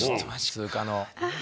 通過の。